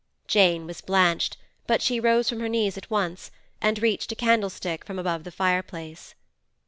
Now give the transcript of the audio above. Jane was blanched; but she rose from her knees at once, and reached a candlestick from above the fireplace.